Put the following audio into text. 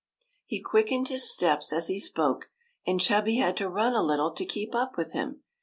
He quickened his steps as he spoke, and Chubby had to run a little to keep up with him.